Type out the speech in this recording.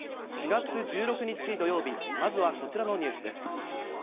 ４月１６日土曜日、まずはこちらのニュースです。